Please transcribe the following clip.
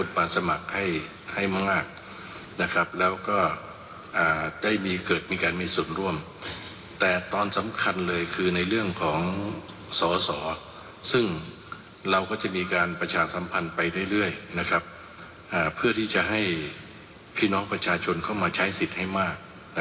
เพื่อที่จะให้พี่น้องประชาชนเข้ามาใช้สิทธิ์ให้มาก